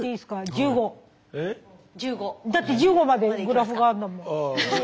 だって１５までグラフがあるんだもん。